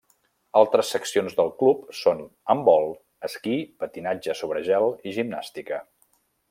Altres seccions del club són handbol, esquí, patinatge sobre gel i gimnàstica.